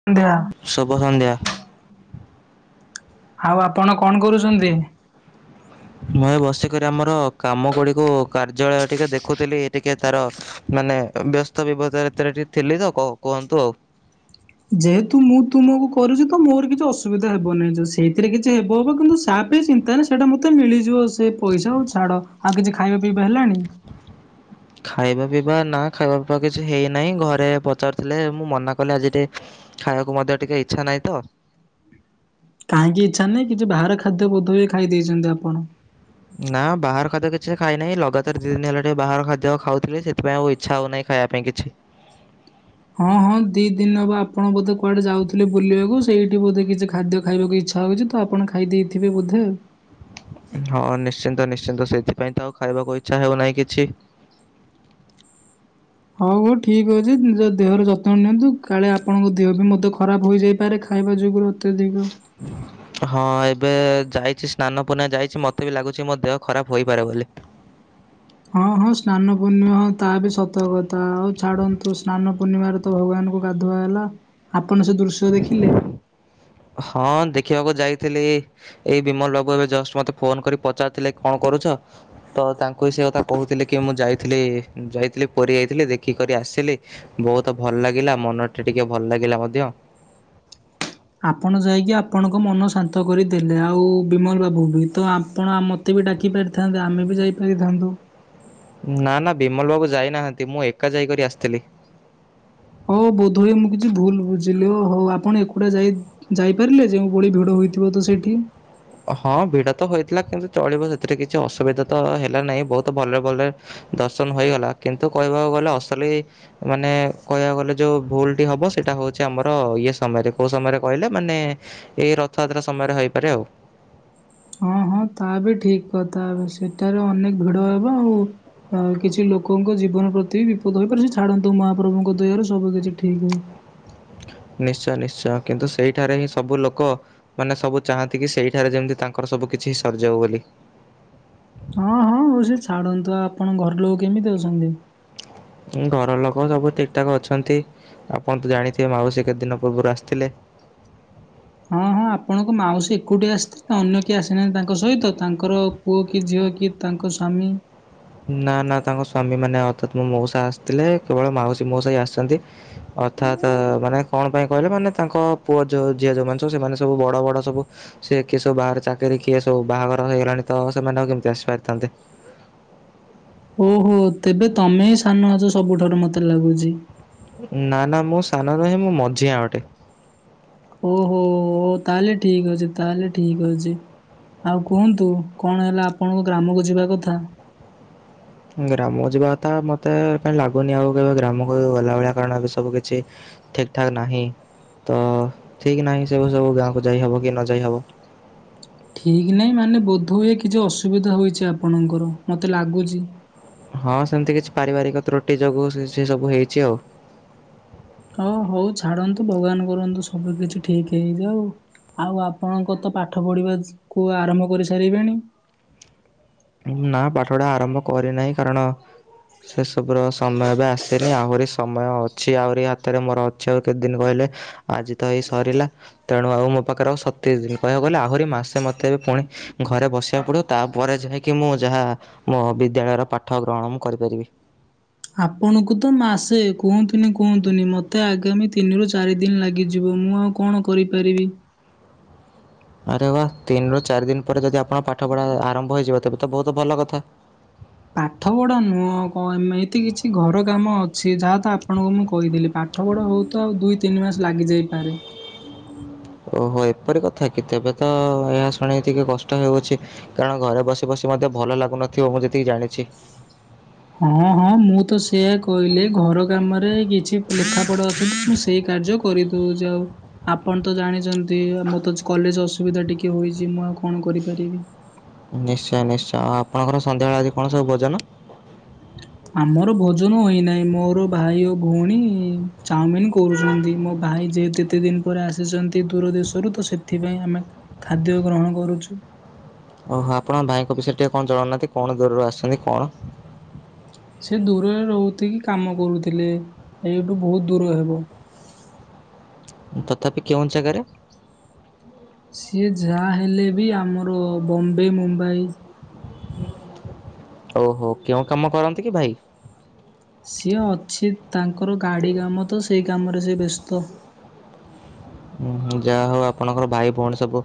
[unintelligible] ଶୁଭ ସନ୍ଧ୍ୟା! ଆଉ ଆପଣ କଣ କରୁଛନ୍ତି? ମୁଁ ଏ ବସିକରି ଆମର କାମଗୁଡିକୁ କାର୍ଯ୍ୟାଳୟ ଟିକେ ଦେଖୁଥିଲି ଟିକେ ତାର ମାନେ ବ୍ୟସ୍ତବିବ୍ରତ ଭିତରେ ଟିକେ ଥିଲି ତ, କ କୁହନ୍ତୁ ଆଉ। ଯେହେତୁ ମୁଁ ତୁମକୁ କରୁଛି ତ ମୋର କିଛି ଅସୁବିଧା ହେବ ନାହିଁ। ସେଇଥିରେ କିଛି ହେବ ହେବ କିନ୍ତୁ ସା ଚିନ୍ତା ନାହିଁ। ସେଇଟା ମୋତେ ମିଳିଯିବ ସେ ପଇସା। ଆଉ ଛାଡ ଆଉ କିଛି ଖାଇବା ପିଇବା ହେଲାଣି? ଖାଇବା ପିଇବା, ନା ଖାଇବା ପିଇବା କିଛି ହେଇନାହିଁ। ଘରେ ପଚାରୁଥିଲେ। ମୁଁ ମନା କଲି ଆଜି ଟିକେ ଖାଇବାକୁ ମୋତେ ଟିକେ ଇଚ୍ଛା ନାହିଁ ତ। କାହିଁକି ଇଚ୍ଛା ନାହିଁ। କିଛି ବାହାର ଖାଦ୍ୟ ବୋଧେ ହୁଏ ଖାଇ ଦେଇଛନ୍ତି ଆପଣ। ନା ବାହାର ଖାଦ୍ୟ କିଛି ଖାଇନାହିଁ। ଲଗାତାର ଦିଇଦିନ ହେଲା ଟିକେ ବାହାର ଖାଦ୍ୟ ଖାଉଥିଲି। ସେଥିପାଇଁ ଆଉ ଇଚ୍ଛା ହେଉନାହିଁ। ଖାଇବା ପାଇଁ କିଛି। ହଁ, ହଁ ଦିଇଦିନ ହବ ଆପଣ ବୋଧେ କୁଆଡେ ଯାଉଥିଲେ ବୁଲିବାକୁ। ସେଇଠି ବୋଧେ କିଛି ଖାଦ୍ୟ ଖାଇବାକୁ ଇଚ୍ଛା ଲାଗୁଛି। ତ ଆପଣ ଖାଇ ଦେଇଥିବେ ବୋଧେ ଆଉ। ହଁ, ନିଶ୍ଚିନ୍ତ, ନିଶ୍ଚିନ୍ତ ସେଇଥିପାଇଁ ତ ଆଉ ଖାଇବାକୁ ଇଚ୍ଛା ହେଉନାହିଁ କିଛି। ହଉ ହଉ ଠିକ୍ ଅଛି। ନିଜ ଦେହର ଯତ୍ନ ନିଅନ୍ତୁ କାଳେ ଆପଣଙ୍କ ଦେହ ବି ମଧ୍ୟ ଖରାପ ହୋଇଯାଇପାରେ ଖାଇବା ଯୋଗୁଁ। ଅତ୍ୟଧିକ। ହଁ, ଏବେ ଯାଇଛି ସ୍ନାନ ପୂର୍ଣ୍ଣିମା ଯାଇଛି। ମୋତେ ବି ଲାଗୁଛି ମୋ ଦେହ ଖରାପ ହୋଇପାରେ ବୋଲି। ହଁ, ହଁ ସ୍ନାନ ପୂର୍ଣ୍ଣିମା। ହଁ ତାହା ବି ସତକଥା। ଆଉ ଛାଡନ୍ତୁ ସ୍ନାନ ପୂର୍ଣ୍ଣିମାର ତ ଭଗବାନଙ୍କୁ ଗାଧୁଆ ହେଲା। ଆପଣ ସେ ଦୃଶ୍ୟ ଦେଖିଲେ। ହଁ ଦେଖିବାକୁ ଯାଇଥିଲି। ଏଇ ବିମଲ ବାବୁ ଏବେ ଜଷ୍ଟ ମୋତେ ଫୋନ କରି ପଚାରୁଥିଲେ, କଣ କରୁଛ? ତ ତାଙ୍କୁ ସେ କଥା କହୁଥିଲି। କି ମୁଁ ଯାଇଥିଲି ପୁରି ଯାଇଥିଲି ଦେଖିକରି ଆସିଲି। ବହୁତ ଭଲ ଲାଗିଲା। ମନଟା ଟିକେ ଭଲ ଲାଗିଲା ମଧ୍ୟ। ଆପଣ ଯାଇକି ଆପଣଙ୍କ ମନ ଶାନ୍ତ କରିଦେଲେ। ଆଉ ବିମଲ ବାବୁ ବି ତ ଆପଣ ଆମ ମୋତେ ବି ଡାକିପାରିଥାନ୍ତେ ଆମେ ବି ଯାଇପାରିଥାନ୍ତୁ। ନା, ନା ବିମଲ ବାବୁ ଯାଇନାହାନ୍ତି। ମୁଁ ଏକା ଯାଇକରି ଆସିଥିଲି। ଓ ବୋଧହୁଏ ମୁଁ କିଛି ଭୁଲ ବୁଝିଲି ଓହୋ ଆପଣ ଏକୁଟିଆ ଯାଇ ଯାଇପାରିଲେ ଯେଉଁଭଳି ଭିଡ ହୋଇଥିବ ତ ସେଇଠି? ହଁ ଭିଡ଼ ତ ହୋଇଥିଲା କିନ୍ତୁ ଚଳିବ ସେଥିରେ କିଛି ଅସୁବିଧା ତ ହେଲା ନାହିଁ ବହୁତ ଭଲରେ ଭଲରେ ଦର୍ଶନ ହୋଇଗଲା କିନ୍ତୁ କହିବାକୁ ଗଲେ ଅସଲ ଏଇ ମାନେ କହିବାକୁ ଗଲେ ଯୋଉ ଭୁଲଟି ହେବ ସେଇଟା ହେଉଛି ଆମର ଇଏ ସମୟରେ କୋଉ ସମୟରେ କହିଲେ ମାନେ ଏଇ ରଥଯାତ୍ରା ସମୟରେ ହୋଇପାରେ ଆଉ। ହଁ ହଁ ତା ବି ଠିକ କଥା ସେଠାରେ ଅନେକ ଭିଡ ହବ ଆଉ ଆଉ କିଛି ଲୋକଙ୍କ ଜୀବନ ପ୍ରତି ବିପଦ ହେଇପାରେ। ସେ ଛାଡନ୍ତୁ ମହାପ୍ରଭୁଙ୍କ ଦୟାରେ ସବୁ କିଛି ଠିକ ହୁଏ। ନିଶ୍ଚୟ ନିଶ୍ଚୟ କିନ୍ତୁ ସେଇଠାରେ ହିଁ ସବୁ ଲୋକ ମାନେ ସବୁ ଚାହାଁନ୍ତି କି ସେଇଠାରେ ଯେମିତି ତାଙ୍କର ସବୁ କିଛି ସରିଯାଉ ବୋଲି। ହଁ ହଁ ହଉ ସେ ଛାଡ଼ନ୍ତୁ ଆପଣ ଘର ଲୋକ କେମିତି ଅଛନ୍ତି? ହଁ ଘର ଲୋକ ସବୁ ଠିକ ଠାକ ଅଛନ୍ତି ଆପଣ ତ ଜାଣିଥିବେ ମାଉସୀ କେତେ ଦିନ ପୂର୍ବରୁ ଆସିଥିଲେ। ହଁ ହଁ ଆପଣଙ୍କ ମାଉସୀ ଏକୁଟିିଆ ଆସିଥିଲେ ଅନ୍ୟ କିଏ ଆସିନାହାନ୍ତି ତାଙ୍କ ସହିତ ତାଙ୍କର ପୁଅ କି ଝିଅ କି ତାଙ୍କ ସ୍ୱାମୀ? ନା ନା ତାଙ୍କ ସ୍ଵାମୀ ମାନେ ଅର୍ଥାତ ମୋ ମଉସା ଆସିଥିଲେ କେବଳ ମାଉସୀ ମଉସା ଆସିଛନ୍ତି। ଅର୍ଥାତ ମାନେ କଣ ପାଇଁ କହିଲେ ମାନେ ତାଙ୍କ ପୁଅ ଯୋଉ ଝିଅ ଯୋଉଁମାନେ ସବୁ ସେମାନେ ସବୁ ବଡ ବଡ ସବୁ ସିଏ କିଏ ସବୁ ବାହର ଚାକିରି କିଏ ସବୁ ବାହାଘର ହେଇଗଲାଣି ତ ସେମାନେ ଆଉ କେମିତି ଆସିପାରିଥାନ୍ତେ। ଓହୋ ତେବେ ତମେ ହିଁ ସାନ ଅଛ ସବୁଠାରୁ ମତେ ଲାଗୁଛି? ନା ନା ମୁଁ ସାନ ନହେଁ ମୁଁ ମଝିଆ ଅଟେ। ଓହୋ ତାହେଲେ ଠିକ ଅଛି। ତାହେଲେ ଠିକ ଅଛି। ଆଉ କୁହନ୍ତୁ କଣ ହେଲା ଆପଣଙ୍କ ଗ୍ରାମକୁ ଯିବା କଥା? ଗ୍ରାମ ଯିବା କଥା ମତେ କାଁ ଲାଗୁନି ଆଉ କେବେ ଗ୍ରାମକୁ ଗଲା ଭଳିଆ କାରଣ ବି ସବୁ କିିଛି ଠିକ ଠାକ ନାହିଁ ତ ଠିକ ନାହିଁ ସେବୁ ସବୁ ଗାଁକୁ ଯାଇହବ କି ନ ଯାଇ ହବ। ଠିକ ନାହିଁ ମାନେ ବୋଧ ହୁଏ କିଛି ଅସୁବିଧା ହେଛି ଆପଣଙ୍କର ମତେ ଲାଗୁଚି। ହଁ ସେମିତି କିଛି ପାରିବାରିକ ତ୍ରୁଟି ଯୋଗୁ ସେ ସବୁ ହେଇଛି ଆଉ। ଓ ହଉ ଛାଡନ୍ତୁ ଭଗବାନ କରନ୍ତୁ ସବୁ କିଛି ଠିକ ହେଇଯାଉ। ଆଉ ଆପଣଙ୍କ ତ ପାଠ ପଢ଼ିବାକୁୁ ଆରମ୍ଭ କରିସାରିବେଣି? ନା ପାଠପଢା ଆରମ୍ଭ କରିନାହିଁ କାରଣ ସେସବୁର ସମୟ ଏବେ ଆସେନି ଆହୁରି ସମୟ ଅଛି ଆହୁରି ହାତରେ ମୋର ଅଛି ଆଉ କେତେ ଦିନ କହିଲେ ଆଜି ତ ଏଇ ସରିଲା ତେଣୁ ଆଉ ମୋ ପାଖରେ ଆଉ ସତେଇଶ ଦିନ କହିବାକୁ ଗଲେ ଆହୁରି ମାସେ ମତେ ଏବେ ପୁଣି ଘରେ ବସିବାକୁ ପଡିବ ତାପରେ ଯାଇକି ମୁଁ ଯାହା ମୋ ବିଦ୍ୟାଳୟର ପାଠ ଗ୍ରହଣ ମୁଁ କରିପାରିବି। ଆପଣଙ୍କୁ ତ ମାସେ କୁହନ୍ତୁନି କୁହନ୍ତୁନି ମୋତେ ଆଗାମୀ ତିନିରୁ ଚାରି ଦିନ ଲାଗିଯିବ ମୁଁ ଆଉ କଣ କରିପାରିବି। ଆରେ ବା ତିନିରୁ ଚାରି ଦିନ ପରେ ଯଦି ଆପଣଙ୍କ ପାଠ ପଢ଼ା ଆରମ୍ଭ ହେଇଯିବ ତେବେ ତ ବହୁତ ଭଲ କଥା। ପାଠ ପଢା ନୁହଁ ଘଏତି କିଛି ଘର କାମ ଅଛି ଯାହା ତ ଆପଣଙ୍କୁ ମୁଁ କହିଦେଲି ପାଠ ପାଠପଢା ହଉ ତ ଆଉ ଦୁଇ ତିନି ମାସ ଲାଗିଯାଇପାରେ। ଓହୋ ଏପରି କଥା କି ତେବେ ତ ଏହା ଶୁଣି ଟିକେ କଷ୍ଟ ହେଉଛି କାରଣ ଘରେ ବସି ବସି ମଧ୍ୟ ଭଲ ଲାଗୁନଥିବ ମୁଁ ଯେତିକି ଜାଣିଛି। ହଁ ହଁ ମୁଁ ତ ସେଇଆ କହିଲି ଘର କାମରେ କିଛି ଲେଖାପଢ଼ା ଅଛି [inaudible] ମୁଁ ସେଇ କାର୍ଯ୍ୟ କରିଦଉ ଯାଉ ଆପଣ ତ ଜାଣିଛନ୍ତି ମତେ [unintelligible] କଲେଜ ଅସୁବିଧା ଟିକେ ହୋଇଛି ମୁଁ ଆଉ କଣ କରିପାରିବି। ନିଶ୍ଚୟ ନିଶ୍ଚୟ ଆଉ ଆପଣଙ୍କର ସନ୍ଧ୍ୟାବେଳେ ଆଜି କଣ ସବୁ ଭୋଜନ? [unintelligible] ଆମର ଭୋଜନ ହୋଇନାହିଁ ମୋର ଭାଇ ଓ ଭଉଣୀ ଚାଉମିିନ କରୁଛନ୍ତି। ମୋ ଭାଇ ଯେହେତୁ ଏତେ ଦିନ ପରେ ଆସିଛନ୍ତି ଦୂର ଦେଶରୁ ତ ସେଥିପାଇଁ ଆମେ ଖାଦ୍ୟ ଗ୍ରହଣ କରୁଛୁ। ଓହୋ ଆପଣ ଭାଇଙ୍କ ବିଷୟରେ ଟିକେ କଣ ଜଣଉନାହାନ୍ତି କଣ ଦୂରରୁ ଆସଛନ୍ତି କଣ। ସେ ଦୂରରେ ରହୁଥିଲେ କାମ କରୁଥିଲେ କାମ କରୁଥିଲେ ଏଇଠୁ ବହୁତ ଦୂର ହେବ। ତଥାପି କେଉଁ ଜାଗାରେ? ସିଏ ଯାହା ହେଲେ ବି ଆମର ବମ୍ବେ, ମୁମ୍ବାଇ। ଓହୋ କେଉଁ କାମ କରନ୍ତି କି ଭାଇ? ସିଏ ଅଛି ତାଙ୍କର ଗାଡି କାମ ତ ସେଇ କାମରେ ସିଏ ବେସ୍ତ। ହୁଁ ଯାହା ହଉ ଆପଣଙ୍କର ଭାଇ, ଭଉଣୀ ସବୁ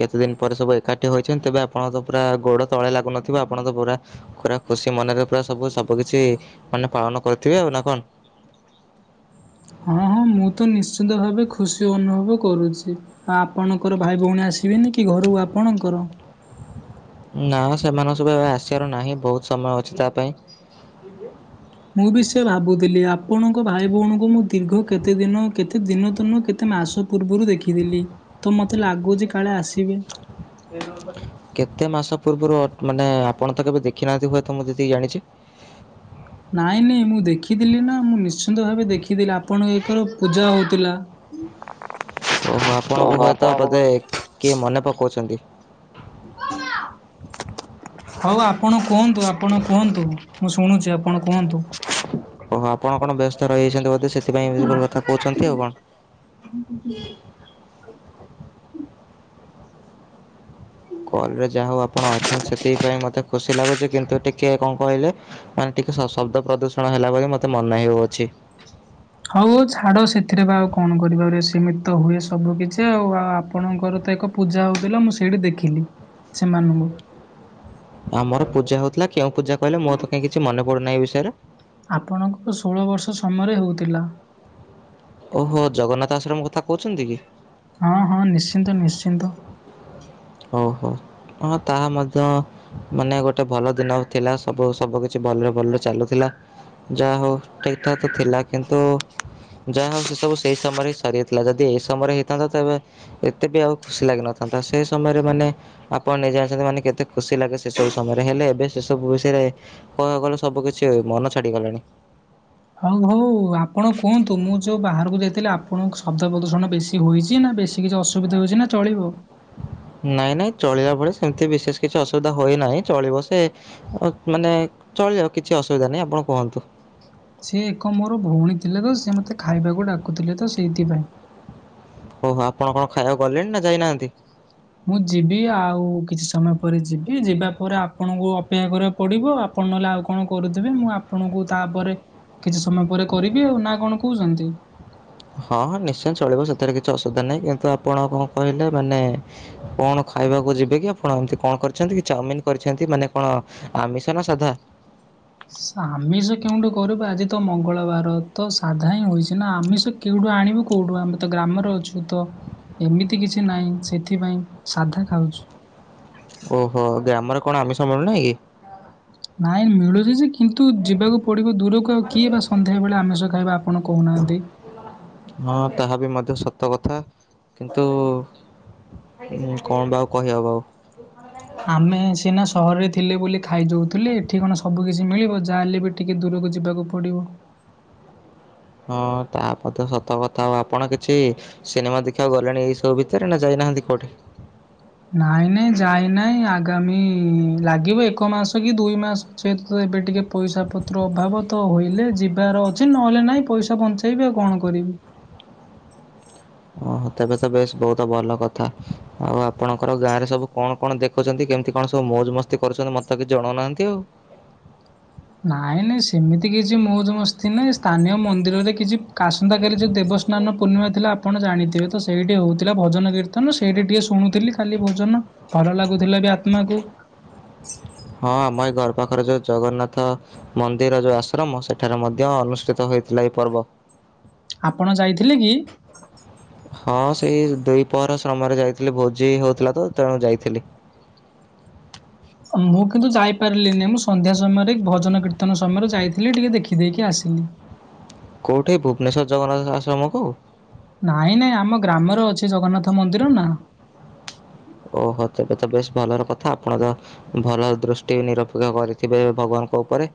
କେତେ ଦିନ ପରେ ସବୁ ଏକାଠି ହୋଇଚନ୍ତି ତେବେ ଆପଣ ତ ପୁରା ଗୋଡ ତଳେ ଲାଗୁନଥିବ ଆପଣ ତ ପୁରା ପୁରା ଖୁସି ମନରେ ପୁରା ସବୁ ସବୁ କିିଛି ମାନେ ପାଳନ କରିଥିବେ ଆଉ ନା କଣ? ହଁ ହଁ ମୁଁ ତ ନିଶ୍ଚିନ୍ତ ଭାବେ ଖୁସି ଅନୁଭବ କରୁଛି। ଆପଣଙ୍କର ଭାଇ, ଭଉଣୀ ଆସିବେନି କି ଘରୁକୁ ଆପଣଙ୍କର? ନା ସେମାନେ ସବୁ ଏବେ ଆସିବାର ନାହିଁ ବହୁତ ସମୟ ଅଛି ତା ପାଇଁ। କିଏ? ମୁଁ ବି ସେଆ ଭାବୁଥିଲି ଆପଣଙ୍କ ଭାଇ ଭଉଣୀଙ୍କୁ ମୁଁ ଦୀର୍ଘ କେତେ ଦିନ କେତେ ଦିନ ତ ନୁହଁ କେତେ ମାସ ପୂର୍ବରୁ ଦେଖିଥିଲି ତ ମତେ ଲାଗୁଚି କାଳେ ଆସିବି? କେତେ ମାସ ପୂର୍ବରୁ ମାନେ ଆପଣ ତ କେବେ ଦେଖିନାହାନ୍ତି ହୁଏତ ମୁଁ ଯେତିକି ଜାଣିଛି? ନାଇଁ ନାଇଁ ମୁଁ ଦେଖିଥିଲି ନା ମୁଁ ନିଶ୍ଚିନ୍ତ ଭାବେ ଦେଖିଦି ଥିଲି ଆପଣଙ୍କ ଏକର ପୂଜା ହଉଥିଲା। ହ [unintelligible] ଓହୋ ଆପଣଙ୍କ ହୁଏତ ବୋଧେ କିଏ ମନେ ପକାଉଛନ୍ତି? ତୁ କସ [unintelligible] ହଉ ଆପଣ କୁହନ୍ତୁ ଆପଣ କୁହନ୍ତୁ ମୁଁ ଶୁଣୁଚି ଆପଣ କୁହନ୍ତୁ। ଓହୋ ଆପଣ କଣ ବ୍ୟସ୍ତ ରହିଯାଇଛନ୍ତି ବୋଧେ ସେଥିପାଇଁ ଏମତି କଥା କହୁଛନ୍ତି ଆଉ କଣ। କଲ ରେ ଯାହା ହଉ ଆପଣ ଅଛନ୍ତି ସେଥିପାଇଁ ମତେ ଖୁସି ଲାଗୁଚି କିନ୍ତୁ ଟିକେ କଣ କହିଲେ ମାନେ? ଟିକେ ସ ଶବ୍ଦ ପ୍ରଦୂଷଣ ହେଲା ବୋଲେ ମୋତେ ମନାେ ହେଉଅଛି। ହଉ ଛାଡ ସେଥିରେ ବା ଆଉ କଣ କରିବା ସୀମିତ ହୁଏ ସବୁ କିଛି ଆଉ ଆଉ ଆପଣଙ୍କର ତ ଏକ ପୂଜା ହଉଥିଲା ମୁଁ ସେଇଠି ଦେଖିଲି ସେମାନଙ୍କୁ। ଆମର ପୂଜା ହଉଥିଲା କେଉଁ ପୂଜା କହିଲେ ମୋରତ କାଇଁ କିଛି ମେ ପଡୁ ନାହିଁ ଏଇ ବିଷୟରେ। ଆପଣଙ୍କୁ ତ ଷୋହଳ ବର୍ଷ ସମୟରେ ହୋଉଥିଲା। ଓହୋ ଜଗନ୍ନାଥ ଆଶ୍ରମ କଥା କହୁଛନ୍ତି କି? ହଁ ହଁ ନିଶ୍ଚିନ୍ତ ନିଶ୍ଚିନ୍ତ। ଓହୋ ହ ତାହା ମଧ୍ୟ ମାନେ ଗୋଟେ ଭଲ ଦିନ ଆଉ ଥିଲା ସବୁ ସବୁ କିଛି ଭଲରେ ଭଲରେ ଚାଲୁଥିଲା। ଯାହା ହଉ ଠିକ ଠାକ୍ ଥିଲା କିନ୍ତୁ? ଯାହା ହଉ ସେ ସବୁ ସେଇ ସମୟରେ ସରିଯାଇଥିଲା ଯଦି ଏଇ ସମୟରେ ହେଇଥାନ୍ତା ତେବେ ଏତେ ବି ଆଉ ଖୁସି ଲାଗିନଥାନ୍ତା ସେ ତମେରେ ମାନେ ଆପଣ ନିଜେ ଆଣିଛନ୍ତି ମାନେ କେତେ ଖୁସି ଲାଗେ ସେ ସବୁ ସମୟରେ ହେଲେ ଏବେ ସେସବୁ ବିଷୟରେ କଣ କହିଲୁ ସବୁ କିଛି ମନ ଛାଡିଗଲାଣି। ହଉ ହଉ ଆପଣ କୁହନ୍ତୁ ମୁଁ ଯୋଉ ବାହାରକୁ ଯାଇଥିଲି ଆପଣଙ୍କୁ ଶବ୍ଦ ପ୍ରଦୂଷଣ ବେଶୀ ଏମିତି ହୋଇଇଚି ନା ବେଶୀ କିଛି ଅସୁବିଧା ହଉଚି ନା ଚଳିବ? ନାଇଁ ନାଇଁ ଚଳିଲା ଭଲି ସେମିତି ବିଶେଷ କିଛି ଅସୁବିଧା ହୋଇନାହିଁ ଚଳିବ ସେ ମାନେ ଚଳିବ କିଛି ଅସୁବିଧା ନାହିଁ ଆପଣ କୁହନ୍ତୁ। ସେ ଏକ ମୋର ଭଉଣୀ ଥିଲେ ତ ସେ ମତେ ଖାଇବାକୁ ଡାକୁଥିଲେ ତ ସେଇଥିପାଇଁ। ହୋଉ ଆପଣ କଣ ଖାଇବାକୁ ଗଲେଣି ନା ଯାଇନାହାନ୍ତି? ମୁଁ ଯିବି ଆଉ କିଛି ସମୟ ପରେ ଯିବି ଯିବା ପରେ ଆପଣଙ୍କୁ ଅପେକ୍ଷା କରିବାକୁ ପଡିବ। ଆପଣ ନହେଲେ ଆଉ କଣ କରୁଥିବେ ମୁଁ ଆପଣଙ୍କୁ ତାପରେ କିଛି ସମୟ ପରେ କରିବି ଆଉ ନା କଣ କହୁଛନ୍ତି? ହଁ ହଁ ନିଶ୍ଚୟ ଚଳିବ ସେଥିରେ କିଛି ଅସୁବିଧା ନାହିଁ କିନ୍ତୁ ଆପଣ କଣ କହିଲେ ମାନେ କଣ ଖାଇବାକୁ ଯିବେ କି ଆପଣ ଏମତି କଣ କରିଛନ୍ତି କି ଚାଉମିିନ କରିଛନ୍ତି ମାନେ କଣ ଆମିଷ ନା ସାଧା? ଆମିଷ କେଉଠୁ କରିବ ଆଜି ତ ମଙ୍ଗଳବାର ତ ସାଧା ହିଁ ହୋଇଛି ନା ଆମିଷ କେଉଠୁ ଆଣିବୁ କୋଉଠୁ ଆମେ ତ ଗ୍ରାମରେ ଅଛୁ ତ। ଏମିତି କିଛି ନାହିଁ ସେଥିପାଇଁ ସାଧା ଖାଉଛୁ। ଓହୋ ଗ୍ରାମର କଣ ଆମିଷ ମିଳୁ ନାହିଁ କି? ନାଇଁ ମିଳୁଛି ଯେ କିନ୍ତୁ ଯିବାକୁ ପଡିବ ଦୂରକୁ ଆଉ କିଏ ବା ସନ୍ଧ୍ୟାବେଳେ ଆମିଷ ଖାଇବା ଆପଣ କହୁନାହାନ୍ତି? ହଁ ତାହା ବି ମଧ୍ୟ ସତ କଥା। କିନ୍ତୁ ହୁଁ କଣ ବା ଆଉ କହିହେବ ଆଉ। ଆମେ ସିନା ସହରରେ ଥିଲେ ବୋଲି ଖାଇଯାଉଥିଲେ ଏଠି କଣ ସବୁ କିିଛି ମିଳିବ ଯାହା ହେଲେ ବି ଟିକେ ଦୂରକୁ ଯିବାକୁ ପଡିବ। ହଁ ତା ପଥ ସତ କଥା ଆଉ ଆପଣ କିଛି ସିନେମା ଦେଖିବାକୁ ଗଲେଣି ଏଇ ସବୁ ଭିତରେ ନା ଯାଇନାହାନ୍ତି କୋଉଠି? ନାଇଁ ନାଇଁ ଯାଇ ନହିଁ ଆଗାମୀ ଲାଗିବ ଏକ ମାସ କି ଦୁଇ ମାସ ଯେହେତୁ ତ ଏବେ ଟିକେ ପଇସା ପତ୍ର ଅଭାବ ତ ହେଲେ ଯିବାର ଅଛି ନହେଲେ ନାଇଁ ପଇସା ବଞ୍ଚେଇ [unintelligible] କଣ କରିବି। ଓହୋ ତେବେ ତ ବେଶ ବହୁତ ଭଲ କଥା। ଆଉ ଆପଣଙ୍କର ଗାଁରେ ସବୁ କଣ କଣ ଦେଖୁଛନ୍ତି କେମିତି କଣ ସବୁ ମୌଜ ମସ୍ତି କରୁଛନ୍ତି? ମତେ କିଛି ଜଣାଉନାହାନ୍ତି ଆଉ? ନାଇଁ ନାଇଁ ସେମିତି କିଛି ମୌଜ ମସ୍ତି ନାହିଁ ସ୍ଥାନୀୟ ମନ୍ଦିରରେ କିଛି [unintelligible] ଆସନ୍ତାକାଲି ଯଉ ଦେବସ୍ନାନ ପୂର୍ଣିମା ଥିଲା ଆପଣ ଜାଣିଥିବେ ତ ସେଇଠି ହଉଥିଲା ଭଜନ କୀର୍ତ୍ତନ ସେଇଠି ଟିକେ ଶୁଣୁଥିଲି ଖାଲି ଭୋଜନ ଭଲ ଲାଗୁଥିଲା ବି ଆତ୍ମା କୁ। ହଁ ଆମ ଏ ଘର ପାଖରେ ଯୋଉ ଜଗନ୍ନାଥ ମନ୍ଦିର ଯୋଉ ଆଶ୍ରମ ସେଠାରେ ମଧ୍ୟ ଅନୁଷ୍ଠିତ ହେଇଥିଲା ଏଇ ପର୍ବ। ଆପଣ ଯାଇଥିଲେ କି? ହଁ ସେଇ ଦୁଇ ପହର ଶ୍ରମରେ ଯାଇଥିଲି ଭୋଜି ହଉଥିଲା ତ ତେଣୁ ଯାଇଥିଲି। ମୁଁ କିନ୍ତୁ ଯାଇପାରିଲିନି ମୁଁ ସନ୍ଧ୍ୟା ସମୟରେ ଭଜନ କୀର୍ତ୍ତନ ସମୟରେ ଯାଇଥିଲି ଟିକେ ଦେଖିଦେଇକି ଆସିଲି। କେଉଁଠି ଭୁବନେଶ୍ୱର ଜଗନ୍ନାଥ ଆଶ୍ରମକୁ? ନାଇଁ ନାଇଁ ଆମ ଗ୍ରାମରେ ଅଛି ଜଗନ୍ନାଥ ମନ୍ଦିର ନା। ଓହୋ ତେବେ ତ ବେଷ୍ଟ ଭଲର କଥା ଆପଣର ଭଲ ଦୃଷ୍ଟି ନିରପେକ୍ଷ କରିଥିବେ ଭଗବାନଙ୍କ ଉପରେ?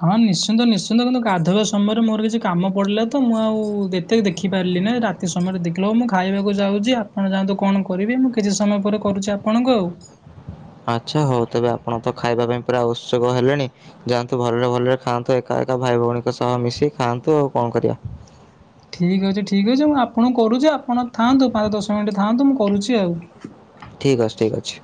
ହଁ ନିଶ୍ଚିନ୍ତ ନିଶ୍ଚିନ୍ତ କିନ୍ତୁ ଗାଧବା ସମୟରେ ମୋର କିଛି କାମ ପଡିଲା ତ ମୁଁ ଆଉ ଏତ ଦେଖିପାରିଲି ନାହିଁ ରାତି ସମୟରେ ଦେଖିଲବ ମୁଁ ଖାଇବାକୁ ଯାଉଛି ଆପଣ ଯାଆନ୍ତୁ କଣ କରିବି ମୁଁ କିଛି ସମୟ ପରେ କରୁଛି ଆପଣଙ୍କୁ ଆଉ। ଆଚ୍ଛା ହଉ ତେବେ ଆପଣ ତ ଖାଇବା ପାଇଁ ପୁରା [unintelligible] ହେଲେଣି। ଯାଆନ୍ତୁ ଭଲରେ ଭଲରେ ଖାଆନ୍ତୁ ଏକା ଏକା ଭାଇ ଭଉଣୀଙ୍କ ସହ ମିଶି ଖାଆନ୍ତୁ ଆଉ କଣ କରିବା। ଠିକ୍ ଅଛି ଠିକ୍ ଅଛି ମୁଁ ଆପଣ କରୁଛି ଆପଣ ଥାଆନ୍ତୁ ପାଞ୍ଚ ଦଶ ମିନିଟ୍ ଥାଆନ୍ତୁ ମୁଁ କରୁଛି ଆଉ। ଠିକ୍ ଅଛି ଠିକ୍ ଅଛି।